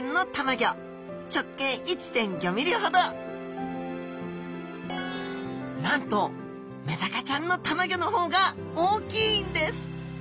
一方こちらはなんとメダカちゃんのたまギョの方が大きいんです